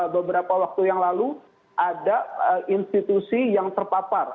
beberapa waktu yang lalu ada institusi yang terpapar